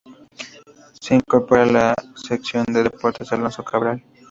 Se incorpora a la sección de Deportes Alonso Cabral.